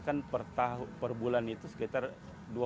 kita kan per bulan itu sekitar dua empat juta